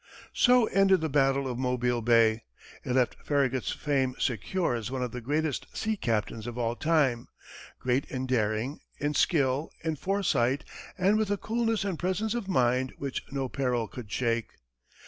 So ended the battle of Mobile Bay. It left Farragut's fame secure as one of the greatest sea captains of all time; great in daring, in skill, in foresight, and with a coolness and presence of mind which no peril could shake.